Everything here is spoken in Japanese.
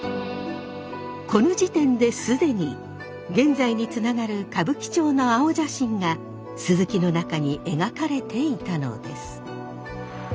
この時点で既に現在につながる歌舞伎町の青写真が鈴木の中に描かれていたのです。